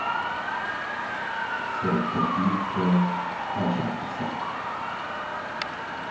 سەرەتا بیر بکەوە پاشان قسەبکە